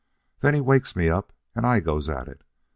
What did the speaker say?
Then he wakes me up, and I goes at it.